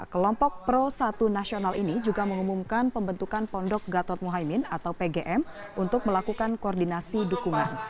kelompok pro satu nasional ini juga mengumumkan pembentukan pondok gatot muhaymin atau pgm untuk melakukan koordinasi dukungan